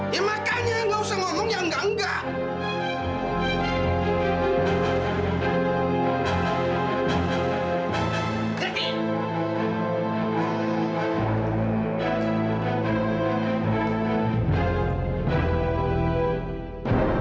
ya makanya gak usah ngomong yang enggak enggak